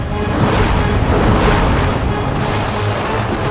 persahabatan adalah hal yang mulia